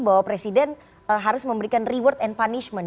bahwa presiden harus memberikan reward and punishment